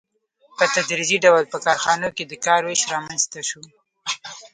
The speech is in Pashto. په تدریجي ډول په کارخانو کې د کار وېش رامنځته شو